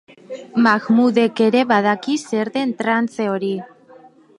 Mahmudek ere badaki zer den trantze hori.